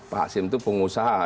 pak hasim itu pengusaha